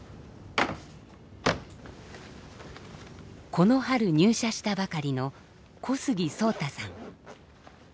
この春入社したばかりの小杉蒼太さん。